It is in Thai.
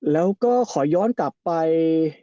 แล้วก็ขอย้อนกลับไป